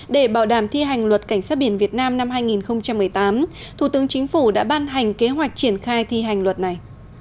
để bảo đảm thi hành luật cảnh sát biển việt nam năm hai nghìn một mươi tám thủ tướng chính phủ đã ban hành kế hoạch triển khai thi hành luật này